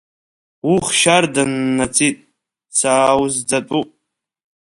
Уых шьарда ннаҵит, сааузӡатәуп.